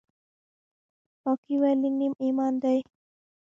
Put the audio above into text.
پاکي ولې نیم ایمان دی؟